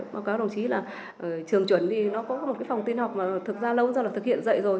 báo cáo đồng chí là trường chuẩn thì nó có một cái phòng tin học mà thực ra lâu rồi là thực hiện dậy rồi